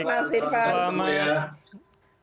selamat malam mas irfan